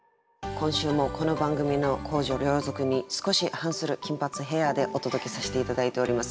今週もこの番組の公序良俗に少し反する金髪ヘアでお届けさせて頂いております。